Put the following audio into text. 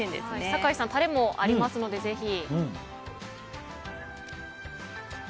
酒井さん、タレもありますのでぜひ。